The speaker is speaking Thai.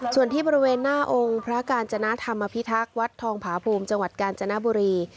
ส่วนที่บริเวณหน้าองค์พระกาญจนธรรมพิทักษ์วัดทองผาภูมิจังหวัดกาญจนบุรี